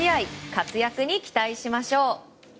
活躍に期待しましょう。